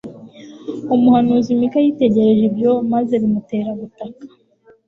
umuhanuzi mika yitegereje ibyo maze bimutera gutaka